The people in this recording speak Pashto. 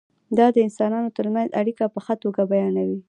دا د انسانانو ترمنځ اړیکه په ښه توګه بیانوي.